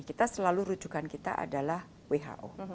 kita selalu rujukan kita adalah who